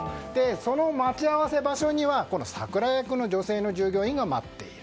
その待ち合わせ場所にはサクラ役の女性の従業員が待っている。